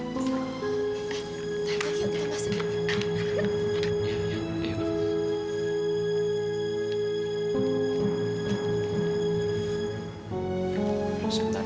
tante yuk kita masuk yuk